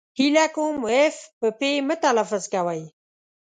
هیله کوم اف په پي مه تلفظ کوی!